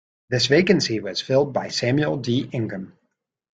This vacancy was filled by Samuel D. Ingham.